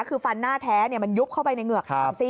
คือฟันหน้าแท้มันยุบเข้าไปในเหงือก๓ซี่